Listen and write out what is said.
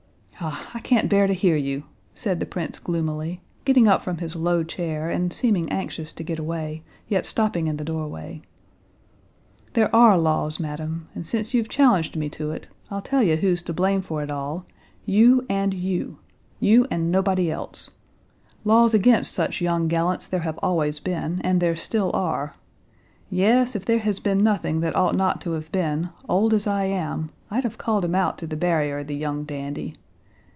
"Ah, I can't bear to hear you!" said the prince gloomily, getting up from his low chair, and seeming anxious to get away, yet stopping in the doorway. "There are laws, madam, and since you've challenged me to it, I'll tell you who's to blame for it all: you and you, you and nobody else. Laws against such young gallants there have always been, and there still are! Yes, if there has been nothing that ought not to have been, old as I am, I'd have called him out to the barrier, the young dandy.